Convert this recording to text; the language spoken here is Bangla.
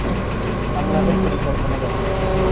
আপনাদের পরিকল্পনা বলুন।